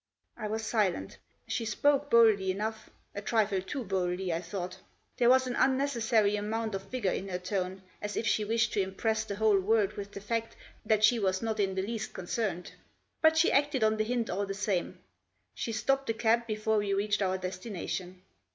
I was silent. She spoke boldly enough ; a trifle too boldly I thought. There was an unnecessary amount of vigour in her tone, as if she wished to impress the whole world with the fact that she was not in the least concerned. But she acted on the hint all the same — she stopped the cab before we reached our destination.